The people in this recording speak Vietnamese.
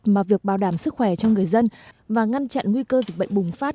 mà việc bảo đảm sức khỏe cho người dân và ngăn chặn nguy cơ dịch bệnh bùng phát